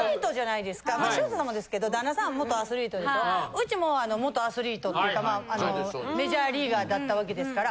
うちも元アスリートっていうかメジャーリーガーだったわけですから。